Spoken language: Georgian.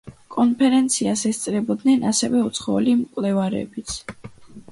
კონფერენციას ესწრებოდნენ ასევე უცხოელი მკვლევარებიც.